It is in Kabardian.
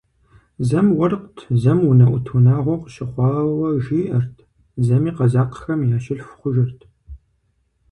Зэм уэркът, зэм унэӀут унагъуэ къыщыхъуауэ жиӀэрт, зэми къэзакъхэм я щылъху хъужырт.